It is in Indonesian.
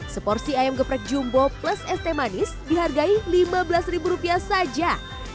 seporsi ayam geprek jumbo plus este manis dihargai lima belas ribu rupiah saja